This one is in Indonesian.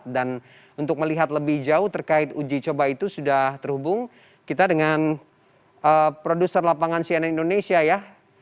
dan untuk melihat lebih jauh terkait uji coba itu sudah terhubung kita dengan produser lapangan cnn indonesia ya